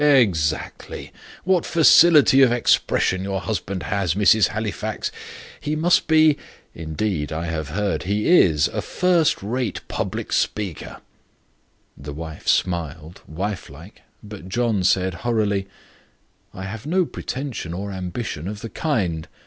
"Exactly! What facility of expression your husband has, Mrs. Halifax! He must be indeed, I have heard he is a first rate public speaker." The wife smiled, wife like; but John said, hurriedly: "I have no pretention or ambition of the kind.